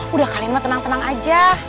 udah kalian mah tenang tenang aja